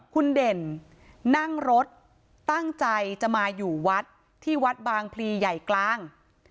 คุณเด่นนั่งรถตั้งใจจะมาอยู่วัดที่วัดบางพลีใหญ่กลาง